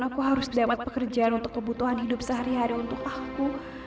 aku harus dapat pekerjaan untuk kebutuhan hidup sehari hari untuk aku